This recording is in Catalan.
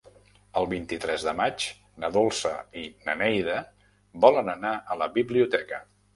El vint-i-tres de maig na Dolça i na Neida volen anar a la biblioteca.